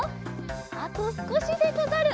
あとすこしでござる！